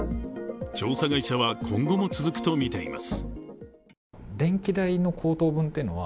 調査会社は今後も続くとみています。